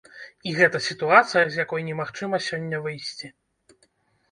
І гэта сітуацыя, з якой немагчыма сёння выйсці.